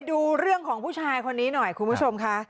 ดูเรื่องของผู้ชายคนนี้หน่อยคุณผู้ชมค่ะ